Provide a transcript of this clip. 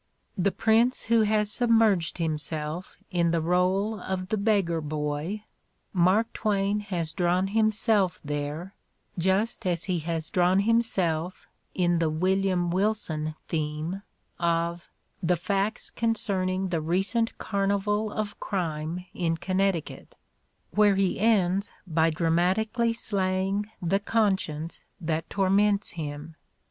The prince who has submerged himself in the role of the beggar boy — Mark Twain has draASTi him self there, just as he has drawn himself in the "William Wilson" theme of "The Facts Concerning the Recent Carnival of Crime in Connecticut," where he ends by dramatically slaying the conscience that torments him.